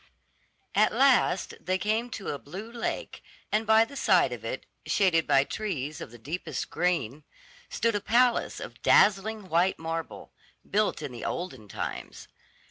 At last they came to a blue lake, and by the side of it, shaded by trees of the deepest green, stood a palace of dazzling white marble, built in the olden times.